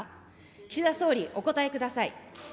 岸田総理、お答えください。